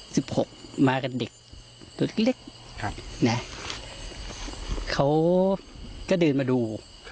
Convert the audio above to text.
สิบหกมากับเด็กตัวเล็กเนี่ยเขากระเดินมาดู